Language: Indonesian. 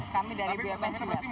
kami dari bms lihat